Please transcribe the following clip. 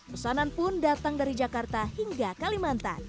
pesanan pun datang dari jakarta hingga kalimantan